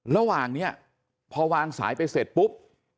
ระหว่างนี้พอวางสายไปเสร็จปุ๊บ